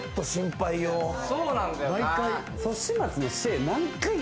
毎回。